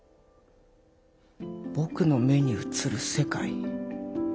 僕の目に映る世界。